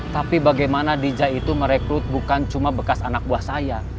tapi bagaimana dj itu merekrut bukan cuma bekas anak buah saya